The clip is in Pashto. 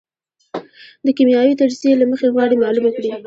د کېمیاوي تجزیې له مخې غواړي معلومه کړي.